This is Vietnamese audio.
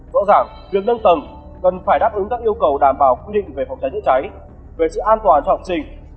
rõ ràng việc nâng tầng cần phải đáp ứng các yêu cầu đảm bảo quy định về phòng cháy chữa cháy về sự an toàn cho học sinh